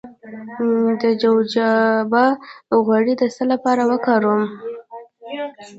د جوجوبا غوړي د څه لپاره وکاروم؟